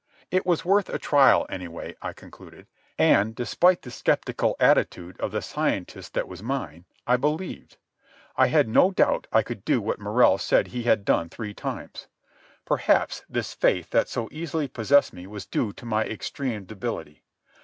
It was worth a trial, anyway, I concluded. And, despite the sceptical attitude of the scientist that was mine, I believed. I had no doubt I could do what Morrell said he had done three times. Perhaps this faith that so easily possessed me was due to my extreme debility.